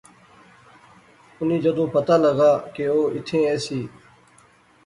انیں جدوں پتہ لغا کہ او ایتھیں ایسی